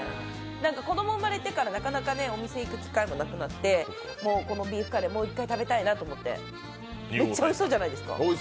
子供が生まれてからなかなかお店に行く機会もなくなって、もうこのビーフカレー、もう一回食べたいなと思って、めっちゃおいしそうじゃないですか。